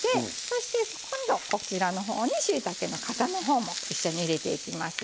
そして今度こちらのほうにしいたけのかさのほうも一緒に入れていきますよ。